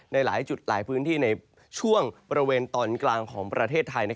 หลายจุดหลายพื้นที่ในช่วงบริเวณตอนกลางของประเทศไทย